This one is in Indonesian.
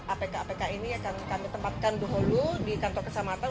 apk apk ini akan kami tempatkan dahulu di kantor kecamatan